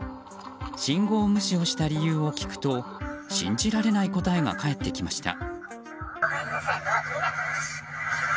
信号無視をした理由を聞くと信じられない答えが返ってきました。